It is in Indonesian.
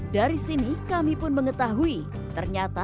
dari depan mbak ya